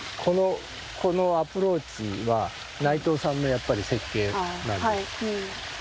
このアプローチは内藤さんのやっぱり設計なんです。